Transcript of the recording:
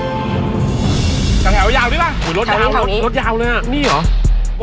ตั้งไหนรถยาวดีป่ะรถยาวเลยอ่ะนี่เหรอ